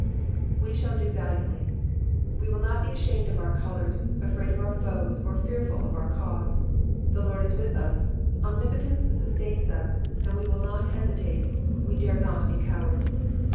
''^We shall do valiantly y'''' we will not be ashamed of our colours, afraid of our foes, or fearful of our cause. The Lord is with us, omnipotence sustains us, and we will not hesitate, we dare not be cowards.